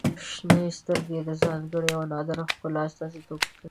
• شنې سترګې د ځانګړي او نادره ښکلا استازیتوب کوي.